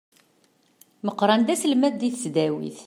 Meqran d aselmad deg tesdawit.